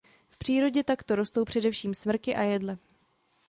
V přírodě takto rostou především smrky a jedle.